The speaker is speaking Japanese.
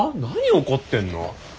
何怒ってんの？